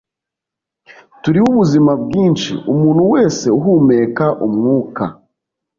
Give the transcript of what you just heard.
turiho ubuzima bwinshi, umuntu wese uhumeka umwuka